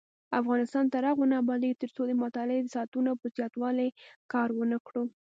افغانستان تر هغو نه ابادیږي، ترڅو د مطالعې د ساعتونو په زیاتوالي کار ونکړو.